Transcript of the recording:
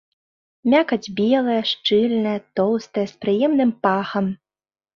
Мякаць белая, шчыльная, тоўстая, з прыемным пахам.